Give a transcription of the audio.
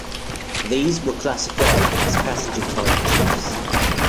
These were classified as "passenger-type" jeeps.